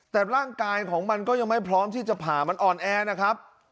แต่ร่างกายของมันก็ยังไม่พร้อมที่จะผ่ามันอ่อนแอนะครับ